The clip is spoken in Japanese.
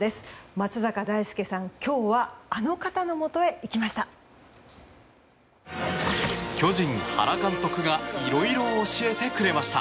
松坂大輔さん、今日はあの方のもとへ行きました。